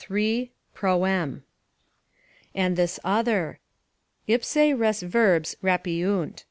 proem.] and this other. "Ipsae res verbs rapiunt."